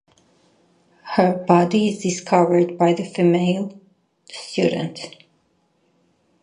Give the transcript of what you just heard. Her body is discovered by the female student.